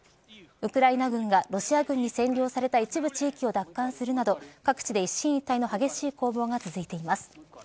ウクライナ軍がロシア軍に占領された一部地域を奪還するなど各地で一進一退の激しい攻防が続いています。